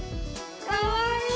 かわいい。